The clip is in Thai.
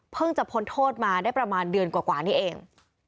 จะพ้นโทษมาได้ประมาณเดือนกว่านี้เอง